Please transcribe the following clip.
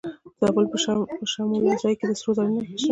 د زابل په شمولزای کې د سرو زرو نښې شته.